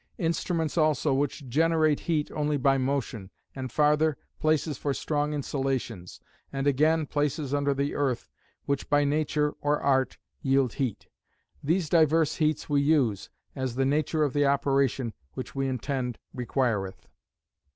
Instruments also which generate heat only by motion. And farther, places for strong insulations; and again, places under the earth, which by nature, or art, yield heat. These divers heats we use, as the nature of the operation, which we intend, requireth.